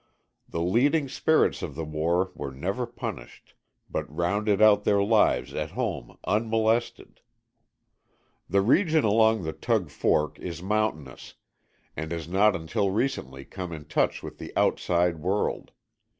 The leading spirits of the war were never punished, but rounded out their lives at home unmolested. The region along the Tug Fork is mountainous, and has not until recently come in touch with the outside world.